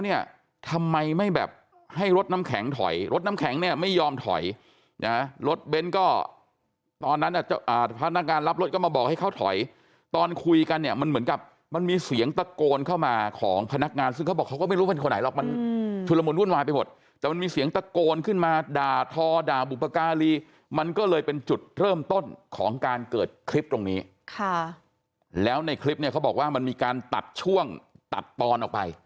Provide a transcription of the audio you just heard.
ในการรับรถก็มาบอกให้เขาถอยตอนคุยกันเนี่ยมันเหมือนกับมันมีเสียงตะโกนเข้ามาของพนักงานซึ่งเขาบอกเขาก็ไม่รู้เป็นคนไหนหรอกมันชุดระบวนวุ่นวายไปหมดแต่มันมีเสียงตะโกนขึ้นมาด่าทอด่าบุพการีมันก็เลยเป็นจุดเริ่มต้นของการเกิดคลิปตรงนี้แล้วในคลิปเนี่ยเขาบอกว่ามันมีการตัดช่วงตัดตอนอ